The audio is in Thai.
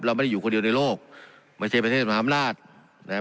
เราไม่ได้อยู่คนเดียวในโลกไม่ใช่ประเทศสำหรับธรรมนาฏ